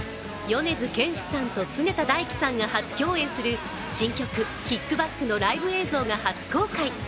米津玄師さんと常田大希さんが初共演する新曲「ＫＩＣＫＢＡＣＫ」のライブ映像が初公開。